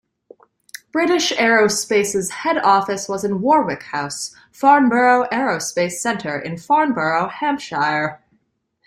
British Aerospace's head office was in Warwick House, Farnborough Aerospace Centre in Farnborough, Hampshire.